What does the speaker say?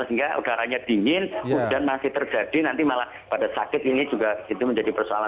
sehingga agarannya dingin hujan masih terjadi nanti malah pada sakit ini juga menjadi persoalan